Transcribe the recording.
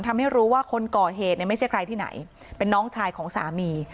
ทำให้รู้ว่าคนก่อเหตุเนี่ยไม่ใช่ใครที่ไหนเป็นน้องชายของสามี